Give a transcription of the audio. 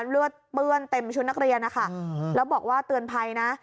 เลือดเปื้อนเต็มชุดนักเรียนนะคะแล้วบอกว่าเตือนภัยนะ